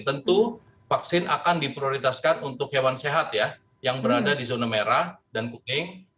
tentu vaksin akan diprioritaskan untuk hewan sehat ya yang berada di zona merah dan kuning